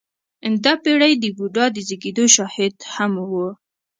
• دا پېړۍ د بودا د زېږېدو شاهده هم وه.